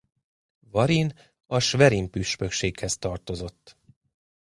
Warin a Schwerin püspökséghez tartozott.